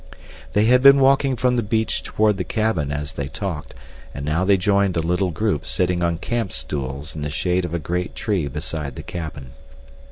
They had been walking from the beach toward the cabin as they talked, and now they joined a little group sitting on camp stools in the shade of a great tree beside the cabin.